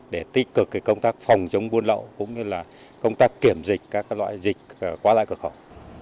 để tích cực công tác phòng chống buôn lậu cũng như là công tác kiểm dịch các loại dịch qua lại cửa khẩu